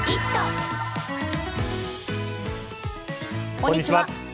こんにちは。